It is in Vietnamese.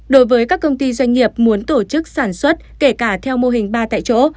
đối với các công ty doanh nghiệp muốn tổ chức sản xuất kể cả theo mô hình ba tại chỗ